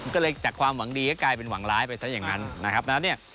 ก็เลยจากความหวังดีก็กลายเป็นหวังร้ายไปซะอย่างนั้นนะครับดังนั้นเนี่ย